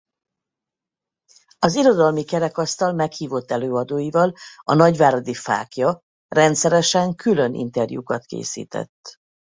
Az Irodalmi Kerekasztal meghívott előadóival a nagyváradi Fáklya rendszeresen külön interjúkat készített.